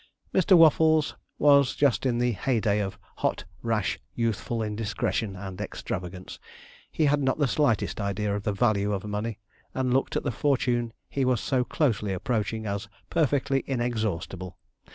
Mr. Waffles was just in the hey day of hot, rash, youthful indiscretion and extravagance. He had not the slightest idea of the value of money, and looked at the fortune he was so closely approaching as perfectly inexhaustible.